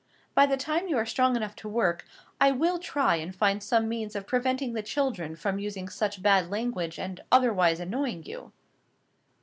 By the time you are strong enough to work, I will try and find some means of preventing the children from using such bad language, and otherwise annoying you."